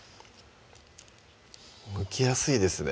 むきやすいですね